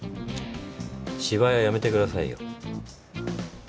芝居はやめてくださいよ。